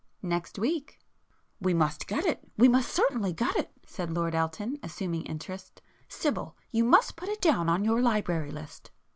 "Next week." "We must get it,—we must certainly get it,"—said Lord Elton, assuming interest,—"Sybil, you must put it down on your library list."